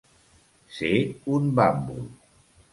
Ser un bàmbol.